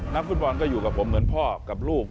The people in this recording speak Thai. นักฟุตบอลก็อยู่กับผมเหมือนพ่อกับลูก